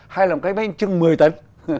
hay là một cái bánh trưng một mươi tấn